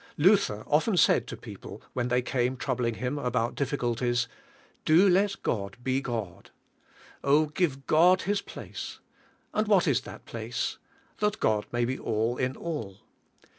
Luther often said to people, when they came troubling him about difficulties, "Do let God be God." Oh, give God His place. And what is that place? "That God may be all in all."